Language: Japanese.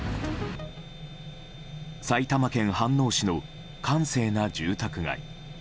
埼玉県飯能市の閑静な住宅街。